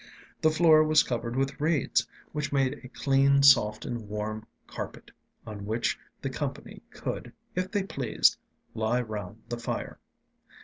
The floor was covered with reeds, which made a clean, soft, and warm carpet, on which the company could, if they pleased, lie round the fire.